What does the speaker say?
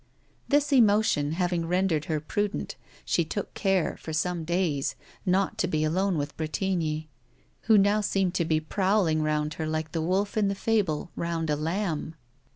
This emotion having rendered her prudent, she took care, for some days, not to be alone with Bretigny, who now seemed to be prowling round her like the wolf in the fable round a lamb.